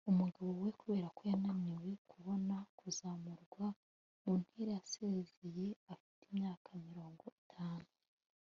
umugabo we, kubera ko yananiwe kubona kuzamurwa mu ntera, yasezeye afite imyaka mirongo itanu